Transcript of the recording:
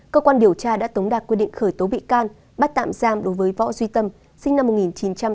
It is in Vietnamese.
cơ quan điều tra đã tống đạt quy định khởi tố bị can bắt tạm giam đối với võ duy tâm sinh năm một nghìn chín trăm tám mươi